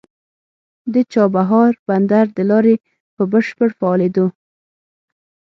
د چابهار بندر د لارې په بشپړ فعالېدو